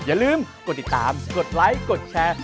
อย่าลืมกดติดตามกดไลค์กดแชร์